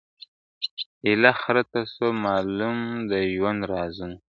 ایله خره ته سوه معلوم د ژوند رازونه ..